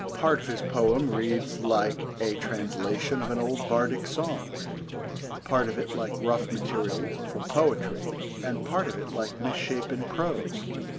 Part of his poem reads like a translation of an old Bardic song, part of it like rough material for poetry, and part of it like misshapen prose.